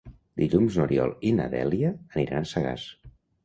Dilluns n'Oriol i na Dèlia aniran a Sagàs.